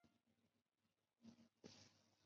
马录为正德三年戊辰科三甲进士。